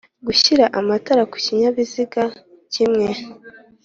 Gushyira amatara ku kinyabiziga kimwe